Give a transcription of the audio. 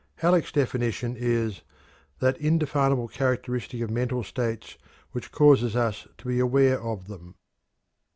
Halleck's definition is: "That indefinable characteristic of mental states which causes us to be aware of them."